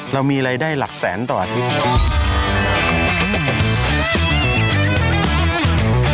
เรามีรายได้หลักแสนต่ออาทิตย์